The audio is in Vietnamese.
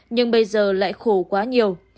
nhưng bây giờ lại khổ quá nhiều